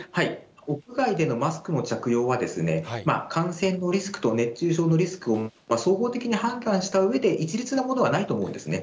屋外でのマスクの着用は、感染のリスクと熱中症のリスクを総合的に判断したうえで、一律なものではないと思うんですね。